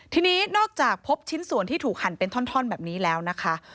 ทีนี้นอกจากพบชิ้นส่วนที่ถูกหั่นเป็นท่อนแบบนี้แล้วนะคะ